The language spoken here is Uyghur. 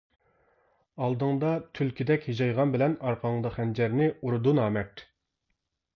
ئالدىڭدا تۈلكىدەك ھىجايغان بىلەن، ئارقاڭدىن خەنجەرنى ئۇرىدۇ نامەرد.